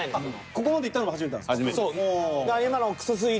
ここまでいったのが初めてなんですか？